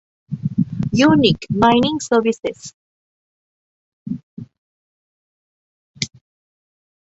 ยูนิค ไมนิ่ง เซอร์วิสเซส